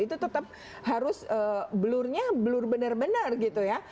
itu tetap harus blurnya blur benar benar gitu ya